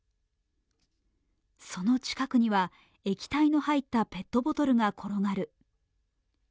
その近くには液体の入ったペットボトルが転がる。